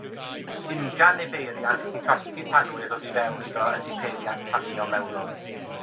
Injan neu beiriant sy'n llosgi tanwydd oddi fewn iddo ydy peiriant tanio mewnol.